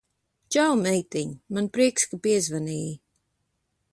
Čau, meitiņ! Man prieks, ka piezvanīji.